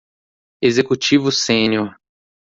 Executivo sênior